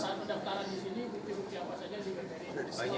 saat pendaftaran di sini